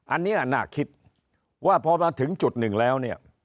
อันนี้น่าคิดว่าพอมาถึงจุดหนึ่งแล้วเนี่ย